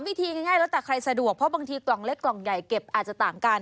วิธีง่ายแล้วแต่ใครสะดวกเพราะบางทีกล่องเล็กกล่องใหญ่เก็บอาจจะต่างกัน